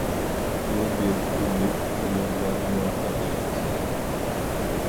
بۇ بىر تۈرلۈك ئۇلۇغۋار مۇۋەپپەقىيەت.